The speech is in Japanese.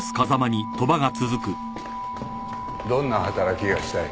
どんな働きがしたい？